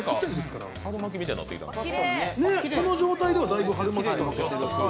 この状態ではだいぶ春巻きみたい。